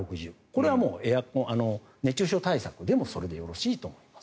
これは熱中症対策でもそれでよろしいということです。